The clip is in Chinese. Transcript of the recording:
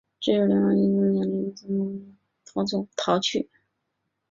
只有梁王耶律雅里及天祚帝长女乘军乱逃去。